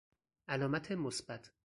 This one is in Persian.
علامت مثبت